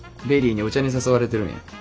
ベリーにお茶に誘われてるんや。